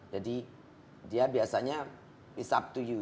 jadi dia biasanya it's up to you